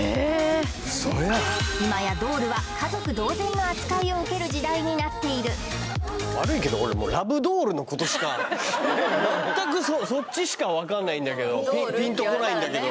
今やドールは家族同然の扱いを受ける時代になっている悪いけど俺もう全くそうそっちしかわかんないんだけどドールって言われたらねピンとこないんだけど